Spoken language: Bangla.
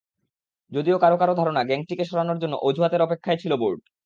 যদিও কারও কারও ধারণা, গ্যাটিংকে সরানোর সামান্য অজুহাতের অপেক্ষায় ছিল বোর্ড।